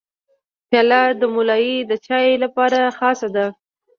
پیاله د ملای د چای لپاره خاصه ده.